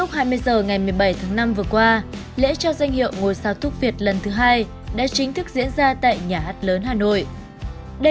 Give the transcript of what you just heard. hãy đăng ký kênh để ủng hộ kênh của chúng mình nhé